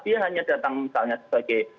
dia hanya datang misalnya sebagai